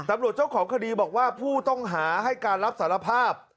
เจ้าของคดีบอกว่าผู้ต้องหาให้การรับสารภาพ